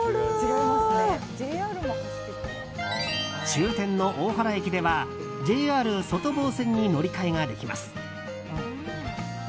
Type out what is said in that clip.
終点の大原駅ではＪＲ外房線に乗り換えができます。